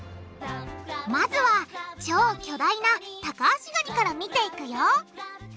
まずは超巨大なタカアシガニから見ていくよ。